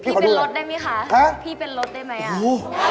พี่เป็นรถได้ไหมคะ